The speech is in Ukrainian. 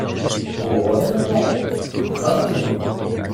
— Головою наклав? Богдан кивнув: